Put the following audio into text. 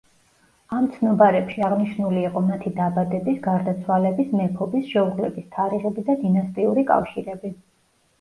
ამ ცნობარებში აღნიშნული იყო მათი დაბადების, გარდაცვალების, მეფობის, შეუღლების თარიღები და დინასტიური კავშირები.